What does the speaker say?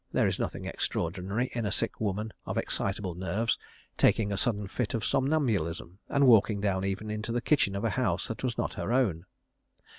There is nothing extraordinary in a sick woman of exciteable nerves taking a sudden fit of somnambulism, and walking down even into the kitchen of a house that was not her own.